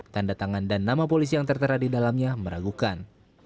tanda tangan dan nama polisi yang tertera di dalamnya meragukan